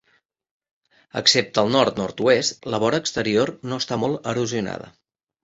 Excepte al nord-nord-oest, la vora exterior no està molt erosionada.